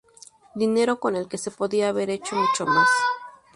dinero con el que se podía haber hecho mucho más